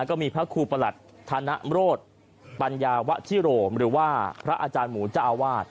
ก็มีพระครูประหลัดธนโรธปัญญาวะชิโรมหรือว่าพระอาจารย์หมูเจ้าอาวาส